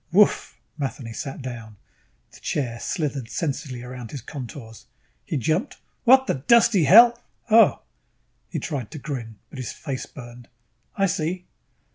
"Whoof!" Matheny sat down. The chair slithered sensuously about his contours. He jumped. "What the dusty hell Oh." He tried to grin, but his face burned. "I see."